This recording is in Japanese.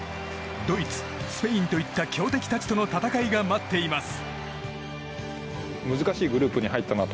ドイツ、スペインといった強敵たちとの戦いが待っています。